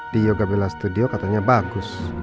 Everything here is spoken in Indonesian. di yogabela studio katanya bagus